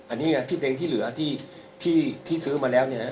อันนี้ไงที่เพลงที่เหลือที่ซื้อมาแล้วเนี่ยนะ